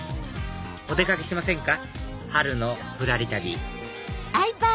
お出かけしませんか？